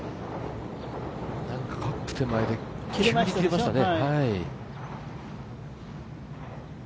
カップ手前で急に切れましたね。